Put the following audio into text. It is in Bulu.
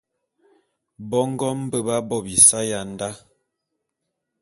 Bongo mbe b'á bo bisae ya ndá.